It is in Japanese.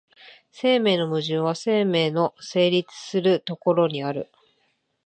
生命の矛盾は生命の成立する所にある。